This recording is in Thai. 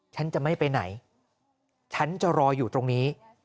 ฉันจะไม่ไปไหนฉันจะรออยู่ตรงนี้